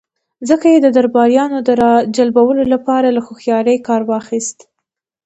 ځکه يې د درباريانو د را جلبولو له پاره له هوښياری کار واخيست.